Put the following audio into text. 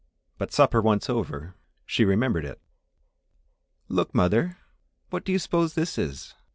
But supper once over, she remembered it. "Look, mother, what do you suppose this is?"